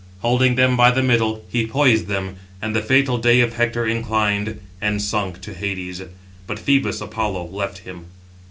Holding them by the middle, he poised them, and the fatal day of Hector inclined and sunk to Hades; but Phœbus Apollo left him.